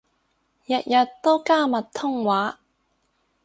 日日都加密通話